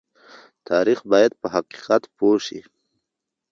تاریخ باید په حقیقت پوه شي.